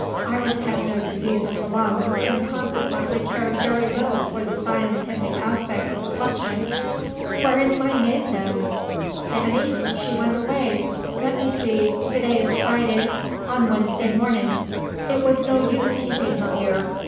Iris had no disease of the lungs, and consequently cared very little for the scientific aspect of the question. "Where is my maid, then?" "Fanny? She went away let me see: to day is Friday on Wednesday morning. It was no use keeping her here.